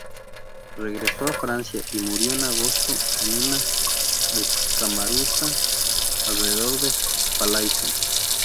Regresó a Francia y murió en agosto en una escaramuza alrededor de Falaise.